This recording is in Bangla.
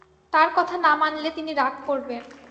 তাঁর কথা না মানলে তিনি রাগ করবেন।